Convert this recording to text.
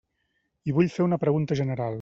I vull fer una pregunta general.